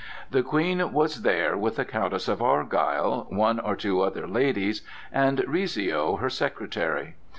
The Queen was there with the Countess of Argyle, one or two other ladies, and Rizzio, her secretary.